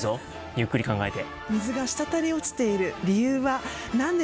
ゆっくり考えて。